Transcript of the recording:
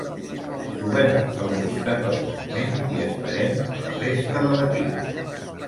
Trobem-nos al costat del monument i esperem a la resta de l'equip.